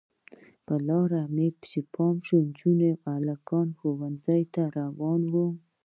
پر لاره مې پام شو چې نجونې او هلکان ښوونځیو ته روان وو.